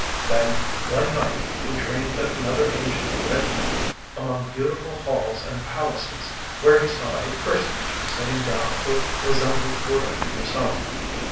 Then one night he dreamed that another angel led him among beautiful halls and palaces, where he saw a personage sitting down who resembled Buddha himself.